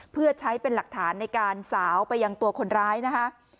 เพื่อใช้เป็นหลักฐานในการสาวไปยังตัวคนร้ายนะคะ